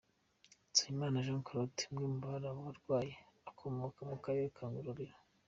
Nsabimana Jean Claude, umwe muri abo barwayi akomoka mu Karere ka Ngororero.